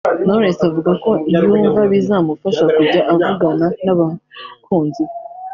Knowless avuga ko yumva bizamufasha kujya avugana n’abakunzi be